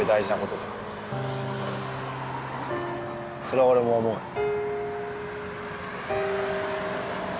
それは俺も思うぜ。